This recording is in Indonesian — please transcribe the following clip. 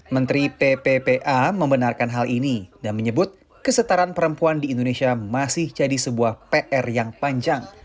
menteri pppa membenarkan hal ini dan menyebut kesetaraan perempuan di indonesia masih jadi sebuah pr yang panjang